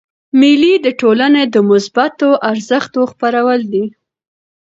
مېلې د ټولني د مثبتو ارزښتو خپرول دي.